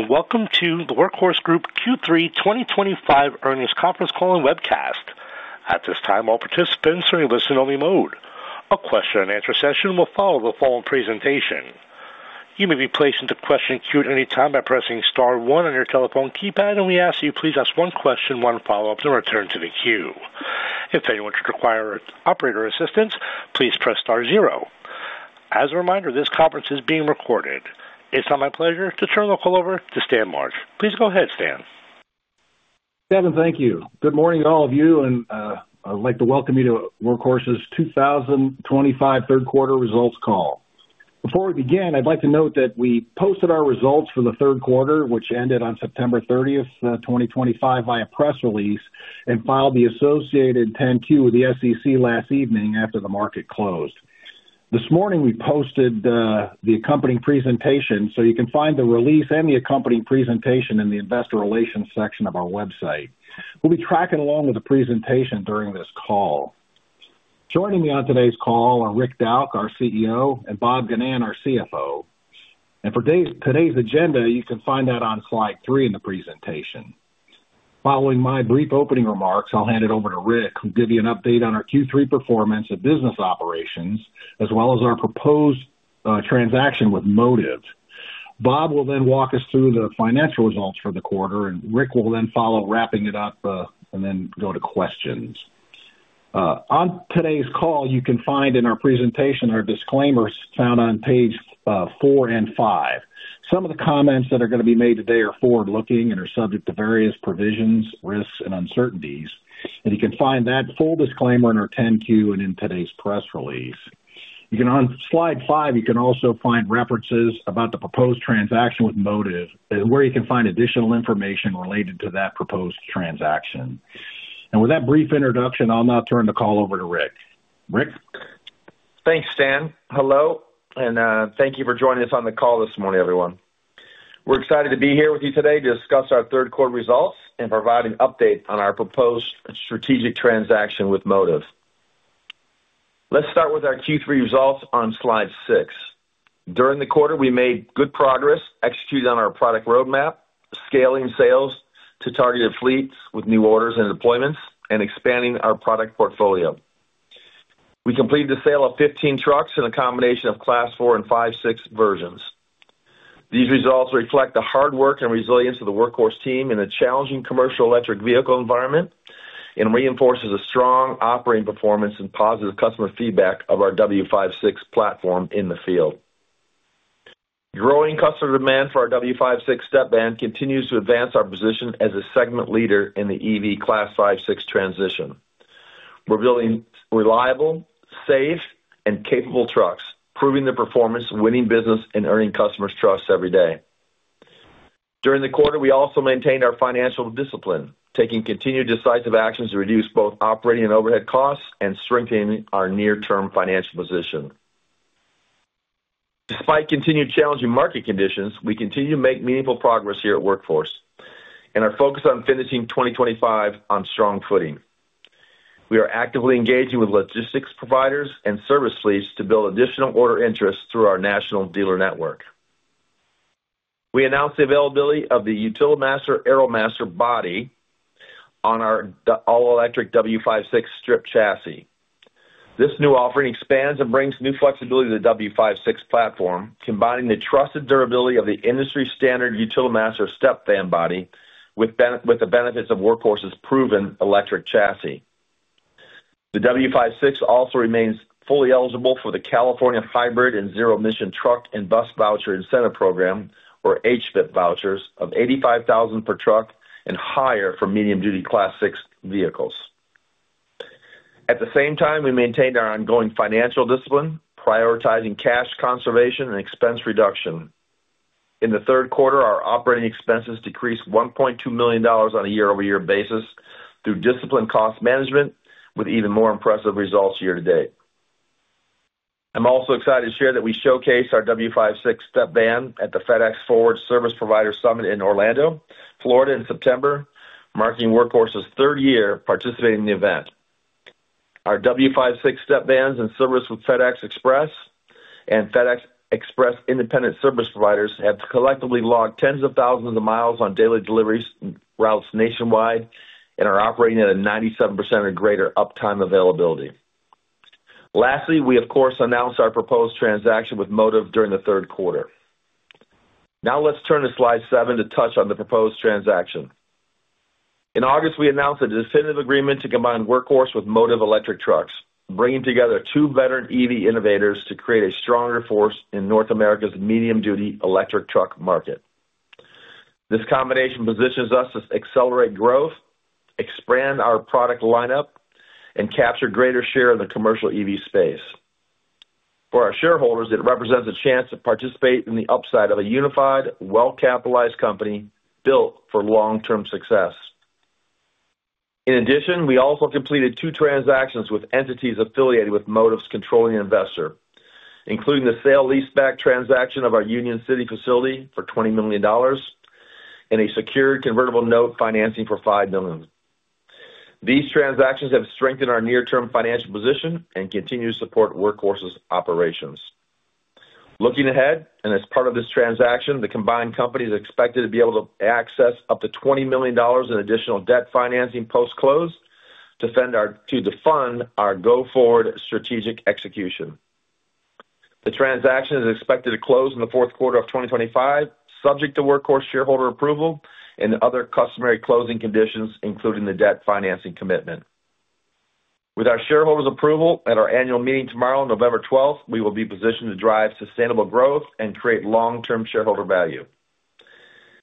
Welcome to the Workhorse Group Q3 2025 earnings conference call and webcast. At this time, all participants are in listen-only mode. A question and answer session will follow the full presentation. You may be placed into question queue at any time by pressing star one on your telephone keypad, and we ask that you please ask one question, one follow-up, and return to the queue. If anyone should require operator assistance, please press star zero. As a reminder, this conference is being recorded. It's now my pleasure to turn the call over to Stan March. Please go ahead, Stan. Stan, thank you. Good morning to all of you, and I'd like to welcome you to Workhorse's 2025 third quarter results call. Before we begin, I'd like to note that we posted our results for the third quarter, which ended on September 30th, 2025, via press release and filed the associated 10Q with the SEC last evening after the market closed. This morning, we posted the accompanying presentation, so you can find the release and the accompanying presentation in the investor relations section of our website. We'll be tracking along with the presentation during this call. Joining me on today's call are Rick Dauch, our CEO, and Bob Ginnan, our CFO. For today's agenda, you can find that on slide three in the presentation. Following my brief opening remarks, I'll hand it over to Rick, who will give you an update on our Q3 performance and business operations, as well as our proposed transaction with Motiv. Bob will then walk us through the financial results for the quarter, and Rick will then follow, wrapping it up, and then go to questions. On today's call, you can find in our presentation our disclaimers found on page four and five. Some of the comments that are going to be made today are forward-looking and are subject to various provisions, risks, and uncertainties. You can find that full disclaimer in our 10Q and in today's press release. On slide five, you can also find references about the proposed transaction with Motiv, where you can find additional information related to that proposed transaction. With that brief introduction, I'll now turn the call over to Rick. Rick? Thanks, Stan. Hello, and thank you for joining us on the call this morning, everyone. We're excited to be here with you today to discuss our third quarter results and provide an update on our proposed strategic transaction with Motiv. Let's start with our Q3 results on slide six. During the quarter, we made good progress executing on our product roadmap, scaling sales to targeted fleets with new orders and deployments, and expanding our product portfolio. We completed the sale of 15 trucks in a combination of Class 4 and 5-6 versions. These results reflect the hard work and resilience of the Workhorse team in a challenging commercial electric vehicle environment and reinforce a strong operating performance and positive customer feedback of our W56 platform in the field. Growing customer demand for our W56 step van continues to advance our position as a segment leader in the EV Class 5-6 transition. We're building reliable, safe, and capable trucks, proving their performance, winning business, and earning customers' trust every day. During the quarter, we also maintained our financial discipline, taking continued decisive actions to reduce both operating and overhead costs and strengthening our near-term financial position. Despite continued challenging market conditions, we continue to make meaningful progress here at Workhorse, and our focus on finishing 2025 on strong footing. We are actively engaging with logistics providers and service fleets to build additional order interest through our national dealer network. We announced the availability of the UtilityMaster AeroMaster body on our all-electric W56 strip chassis. This new offering expands and brings new flexibility to the W56 platform, combining the trusted durability of the industry-standard UtilityMaster step van body with the benefits of Workhorse's proven electric chassis. The W56 also remains fully eligible for the California Hybrid and Zero Emission Truck and Bus Voucher Incentive Program, or HVIP vouchers, of $85,000 per truck and higher for medium-duty class 6 vehicles. At the same time, we maintained our ongoing financial discipline, prioritizing cash conservation and expense reduction. In the third quarter, our operating expenses decreased $1.2 million on a year-over-year basis through disciplined cost management, with even more impressive results year to date. I'm also excited to share that we showcased our W56 step van at the FedEx Forward Service Provider Summit in Orlando, Florida, in September, marking Workhorse's third year participating in the event. Our W56 step vans and service with FedEx Express and FedEx Express independent service providers have collectively logged tens of thousands of miles on daily deliveries routes nationwide and are operating at a 97% or greater uptime availability. Lastly, we, of course, announced our proposed transaction with Motiv during the third quarter. Now let's turn to slide seven to touch on the proposed transaction. In August, we announced a definitive agreement to combine Workhorse with Motiv electric trucks, bringing together two veteran EV innovators to create a stronger force in North America's medium-duty electric truck market. This combination positions us to accelerate growth, expand our product lineup, and capture a greater share of the commercial EV space. For our shareholders, it represents a chance to participate in the upside of a unified, well-capitalized company built for long-term success. In addition, we also completed two transactions with entities affiliated with Motiv's controlling investor, including the sale leaseback transaction of our Union City facility for $20 million and a secured convertible note financing for $5 million. These transactions have strengthened our near-term financial position and continue to support Workhorse's operations. Looking ahead, and as part of this transaction, the combined company is expected to be able to access up to $20 million in additional debt financing post-close to defend our go forward strategic execution. The transaction is expected to close in the fourth quarter of 2025, subject to Workhorse shareholder approval and other customary closing conditions, including the debt financing commitment. With our shareholders' approval at our annual meeting tomorrow, November 12th, we will be positioned to drive sustainable growth and create long-term shareholder value.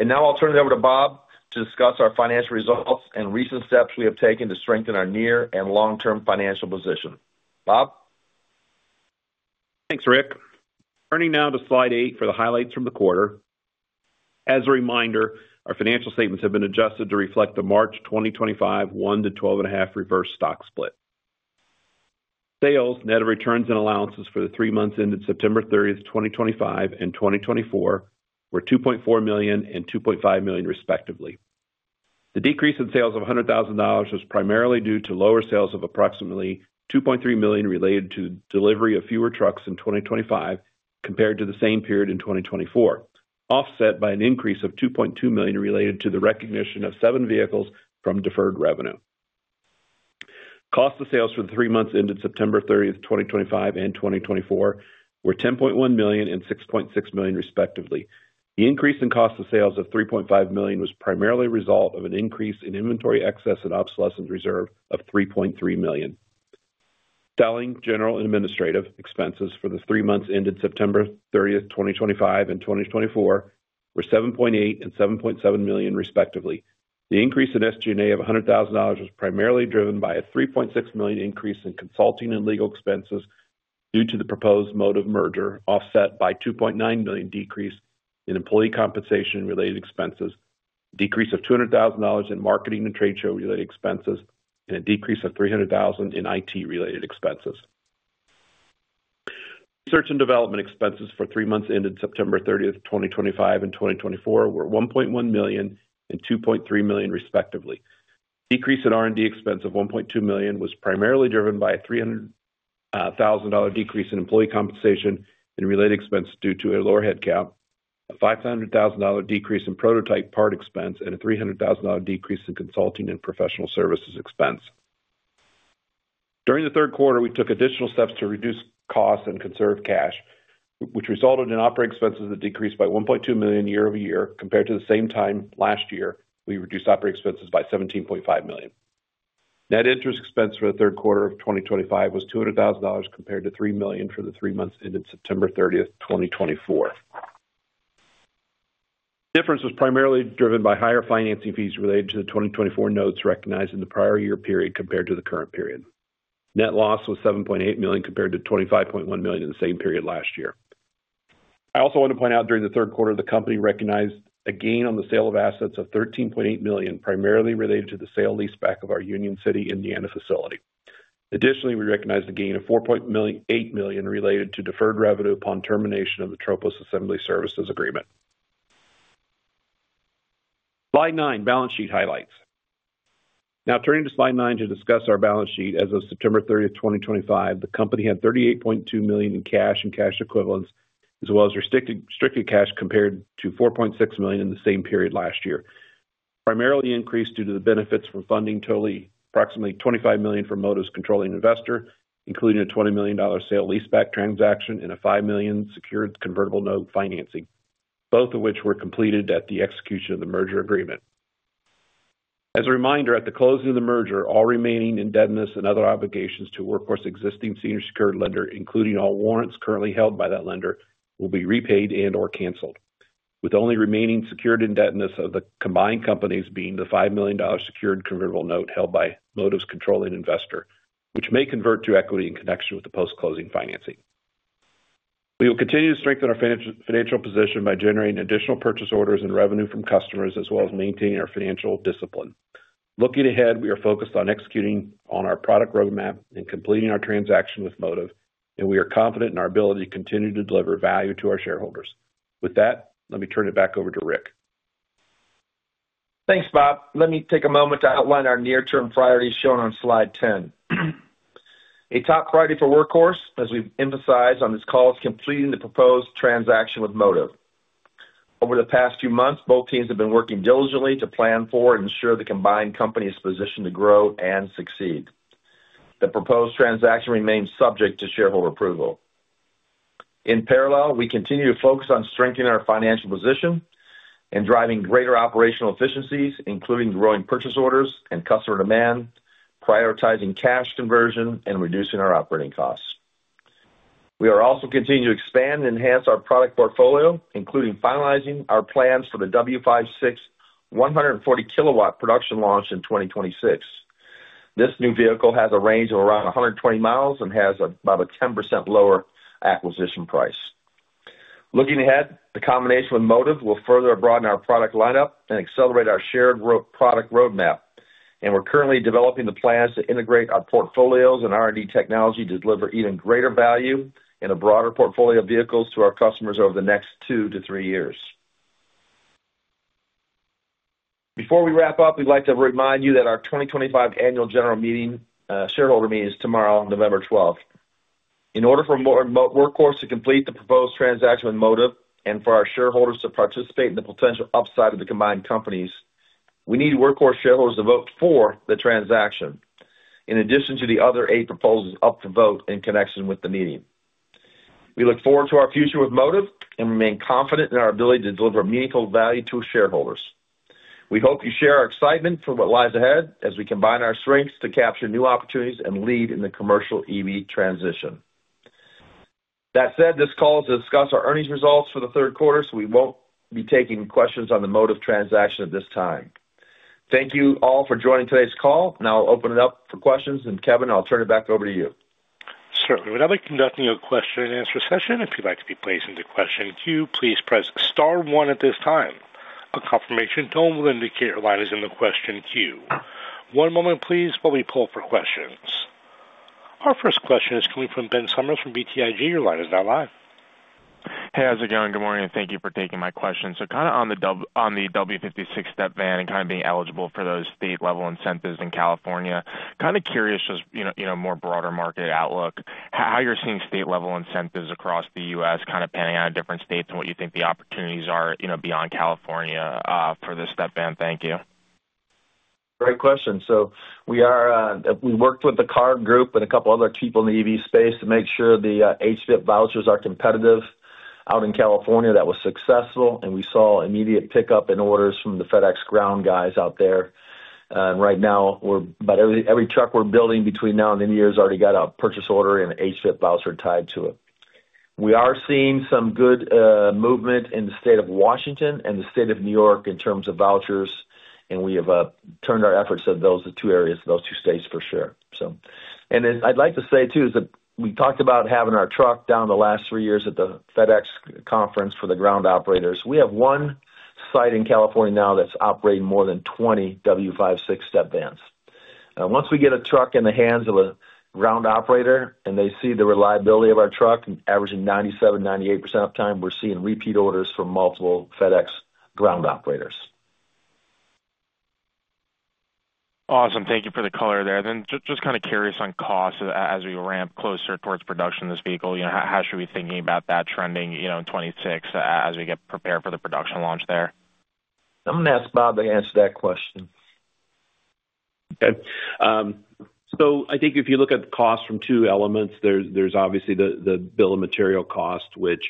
I'll turn it over to Bob to discuss our financial results and recent steps we have taken to strengthen our near and long-term financial position. Bob? Thanks, Rick. Turning now to slide eight for the highlights from the quarter. As a reminder, our financial statements have been adjusted to reflect the March 2025 one to 12.5 reverse stock split. Sales, net of returns and allowances for the three months ended September 30th, 2025 and 2024, were $2.4 million and $2.5 million, respectively. The decrease in sales of $100,000 was primarily due to lower sales of approximately $2.3 million related to the delivery of fewer trucks in 2025 compared to the same period in 2024, offset by an increase of $2.2 million related to the recognition of seven vehicles from deferred revenue. Cost of sales for the three months ended September 30th, 2025 and 2024 were $10.1 million and $6.6 million, respectively. The increase in cost of sales of $3.5 million was primarily a result of an increase in inventory excess and obsolescence reserve of $3.3 million. Selling, general, and administrative expenses for the three months ended September 30th, 2025 and 2024 were $7.8 million and $7.7 million, respectively. The increase in SG&A of $100,000 was primarily driven by a $3.6 million increase in consulting and legal expenses due to the proposed Motiv merger, offset by a $2.9 million decrease in employee compensation-related expenses, a decrease of $200,000 in marketing and trade show-related expenses, and a decrease of $300,000 in IT-related expenses. Research and development expenses for the three months ended September 30th, 2025 and 2024 were $1.1 million and $2.3 million, respectively. The decrease in R&D expense of $1.2 million was primarily driven by a $300,000 decrease in employee compensation and related expenses due to a lower headcount, a $500,000 decrease in prototype part expense, and a $300,000 decrease in consulting and professional services expense. During the third quarter, we took additional steps to reduce costs and conserve cash, which resulted in operating expenses that decreased by $1.2 million year-over-year compared to the same time last year. We reduced operating expenses by $17.5 million. Net interest expense for the third quarter of 2025 was $200,000 compared to $3 million for the three months ended September 30th, 2024. The difference was primarily driven by higher financing fees related to the 2024 notes recognized in the prior year period compared to the current period. Net loss was $7.8 million compared to $25.1 million in the same period last year. I also want to point out during the third quarter, the company recognized a gain on the sale of assets of $13.8 million, primarily related to the sale leaseback of our Union City, Indiana facility. Additionally, we recognized a gain of $4.8 million related to deferred revenue upon termination of the Tropos Assembly Services Agreement. Slide nine, balance sheet highlights. Now turning to slide nine to discuss our balance sheet as of September 30th, 2025, the company had $38.2 million in cash and cash equivalents, as well as restricted cash compared to $4.6 million in the same period last year. Primarily increased due to the benefits from funding totaling approximately $25 million from Motiv's controlling investor, including a $20 million sale leaseback transaction and a $5 million secured convertible note financing, both of which were completed at the execution of the merger agreement. As a reminder, at the closing of the merger, all remaining indebtedness and other obligations to Workhorse's existing senior secured lender, including all warrants currently held by that lender, will be repaid and/or canceled, with only remaining secured indebtedness of the combined companies being the $5 million secured convertible note held by Motiv's controlling investor, which may convert to equity in connection with the post-closing financing. We will continue to strengthen our financial position by generating additional purchase orders and revenue from customers, as well as maintaining our financial discipline. Looking ahead, we are focused on executing on our product roadmap and completing our transaction with Motiv, and we are confident in our ability to continue to deliver value to our shareholders. With that, let me turn it back over to Rick. Thanks, Bob. Let me take a moment to outline our near-term priorities shown on slide 10. A top priority for Workhorse, as we've emphasized on this call, is completing the proposed transaction with Motiv. Over the past few months, both teams have been working diligently to plan for and ensure the combined company's position to grow and succeed. The proposed transaction remains subject to shareholder approval. In parallel, we continue to focus on strengthening our financial position and driving greater operational efficiencies, including growing purchase orders and customer demand, prioritizing cash conversion, and reducing our operating costs. We are also continuing to expand and enhance our product portfolio, including finalizing our plans for the W56 140 kW production launch in 2026. This new vehicle has a range of around 120 mi and has about a 10% lower acquisition price. Looking ahead, the combination with Motiv will further broaden our product lineup and accelerate our shared product roadmap. We're currently developing the plans to integrate our portfolios and R&D technology to deliver even greater value and a broader portfolio of vehicles to our customers over the next two to three years. Before we wrap up, we'd like to remind you that our 2025 annual general shareholder meeting is tomorrow, November 12th. In order for Workhorse to complete the proposed transaction with Motiv and for our shareholders to participate in the potential upside of the combined companies, we need Workhorse shareholders to vote for the transaction, in addition to the other eight proposals up for vote in connection with the meeting. We look forward to our future with Motiv and remain confident in our ability to deliver meaningful value to shareholders. We hope you share our excitement for what lies ahead as we combine our strengths to capture new opportunities and lead in the commercial EV transition. That said, this call is to discuss our earnings results for the third quarter, so we will not be taking questions on the Motiv transaction at this time. Thank you all for joining today's call. Now I will open it up for questions, and Kevin, I will turn it back over to you. Certainly. We would now be conducting a question and answer session. If you would like to be placed into the question queue, please press star one at this time. A confirmation tone will indicate your line is in the question queue. One moment, please, while we pull up for questions. Our first question is coming from Ben Sommers from BTIG. Your line is now live. Hey, how's it going? Good morning. Thank you for taking my question. Kind of on the W56 step van and kind of being eligible for those state-level incentives in California, kind of curious just more broader market outlook, how you're seeing state-level incentives across the U.S., kind of panning out in different states and what you think the opportunities are beyond California for the step van. Thank you. Great question. We worked with the Car Group and a couple other people in the EV space to make sure the HVIP vouchers are competitive out in California. That was successful, and we saw immediate pickup in orders from the FedEx Ground guys out there. Right now, about every truck we're building between now and the new year has already got a purchase order and an HVIP voucher tied to it. We are seeing some good movement in the state of Washington and the state of New York in terms of vouchers, and we have turned our efforts to those two areas, those two states for sure. I'd like to say too is that we talked about having our truck down the last three years at the FedEx conference for the ground operators. We have one site in California now that's operating more than 20 W56 step vans. Once we get a truck in the hands of a ground operator and they see the reliability of our truck and averaging 97%-98% of the time, we're seeing repeat orders from multiple FedEx ground operators. Awesome. Thank you for the color there. Just kind of curious on cost as we ramp closer towards production of this vehicle. How should we be thinking about that trending in 2026 as we get prepared for the production launch there? I'm going to ask Bob to answer that question. Okay. I think if you look at the cost from two elements, there's obviously the bill of material cost, which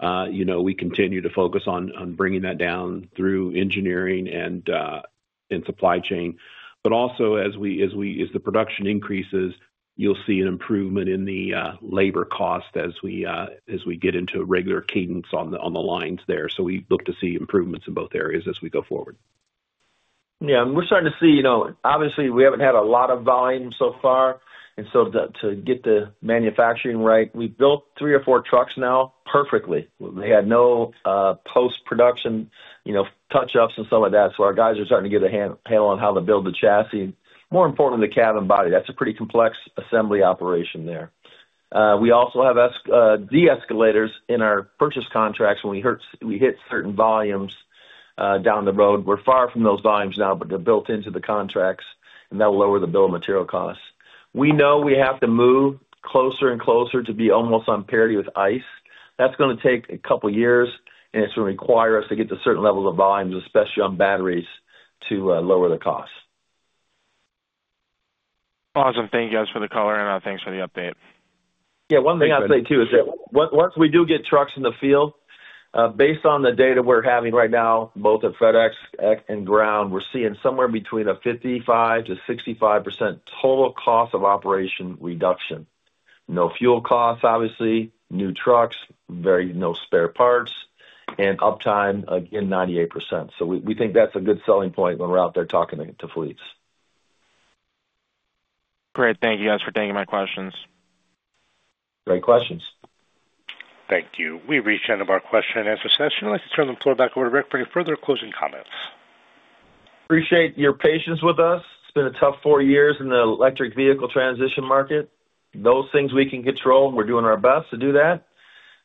we continue to focus on bringing that down through engineering and supply chain. Also, as the production increases, you'll see an improvement in the labor cost as we get into a regular cadence on the lines there. We look to see improvements in both areas as we go forward. Yeah. We're starting to see obviously, we haven't had a lot of volume so far. To get the manufacturing right, we've built three or four trucks now perfectly. We had no post-production touch-ups and some of that. Our guys are starting to get a handle on how to build the chassis, more importantly, the cab and body. That's a pretty complex assembly operation there. We also have de-escalators in our purchase contracts when we hit certain volumes down the road. We're far from those volumes now, but they're built into the contracts, and that will lower the bill of material costs. We know we have to move closer and closer to be almost on parity with ICE. That's going to take a couple of years, and it's going to require us to get to certain levels of volumes, especially on batteries, to lower the cost. Awesome. Thank you, guys, for the color. Thank you for the update. Yeah. One thing I'll say too is that once we do get trucks in the field, based on the data we're having right now, both at FedEx and Ground, we're seeing somewhere between a 55-65% total cost of operation reduction. No fuel costs, obviously, new trucks, no spare parts, and uptime, again, 98%. So we think that's a good selling point when we're out there talking to fleets. Great. Thank you, guys, for taking my questions. Great questions. Thank you. We've reached the end of our question and answer session. I'd like to turn the floor back over to Rick for any further closing comments. Appreciate your patience with us. It's been a tough four years in the electric vehicle transition market. Those things we can control, and we're doing our best to do that.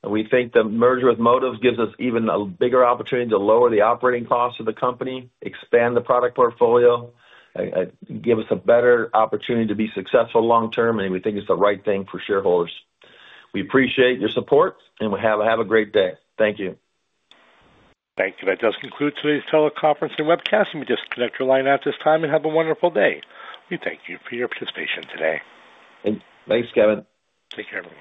We think the merger with Motiv gives us even a bigger opportunity to lower the operating costs of the company, expand the product portfolio, give us a better opportunity to be successful long-term, and we think it's the right thing for shareholders. We appreciate your support, and have a great day. Thank you. Thank you. That does conclude today's teleconference and webcast. Please disconnect your line at this time and have a wonderful day. We thank you for your participation today. Thanks, Kevin. Take care, everyone.